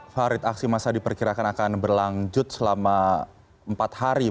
farid aksi masa diperkirakan akan berlanjut selama empat hari